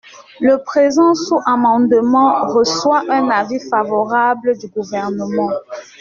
Le présent sous-amendement reçoit un avis favorable du Gouvernement.